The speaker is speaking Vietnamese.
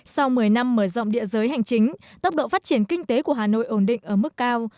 sau một mươi năm mở rộng địa giới hành chính tốc độ phát triển kinh tế của hà nội ổn định ở mức cao